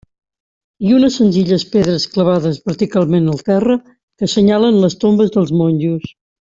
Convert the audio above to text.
I unes senzilles pedres clavades verticalment al terra que assenyalen les tombes dels monjos.